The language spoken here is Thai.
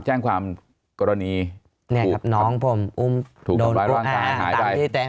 แจ้งความกรณีเนี่ยครับน้องผมอุ้มถูกถูกหายได้อ่าอ่าตามที่แจ้ง